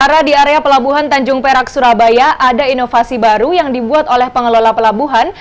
karena di area pelabuhan tanjung perak surabaya ada inovasi baru yang dibuat oleh pengelola pelabuhan